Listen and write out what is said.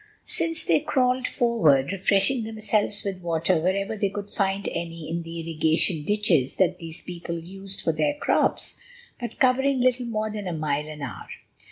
Still they crawled forward, refreshing themselves with water whenever they could find any in the irrigation ditches that these people used for their crops, but covering little more than a mile an hour.